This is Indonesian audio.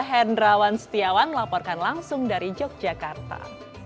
hendrawan setiawan melaporkan langsung dari yogyakarta